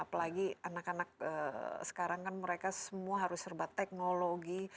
apalagi anak anak sekarang kan mereka semua harus serba teknologi